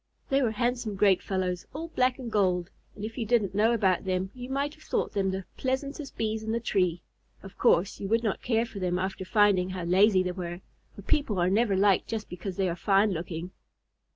They were handsome great fellows, all black and gold, and if you didn't know about them, you might have thought them the pleasantest Bees in the tree. Of course you would not care for them after finding how lazy they were, for people are never liked just because they are fine looking.